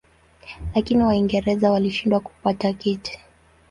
Lakini Waingereza walishindwa kupata kiti.